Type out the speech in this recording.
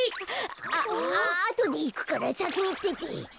ああとでいくからさきにいってて。